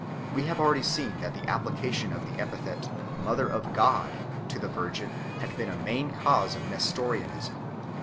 We have already seen that the applica tion of the epithet " Mother of God " to the Virgin had been a main cause of Nestorianism.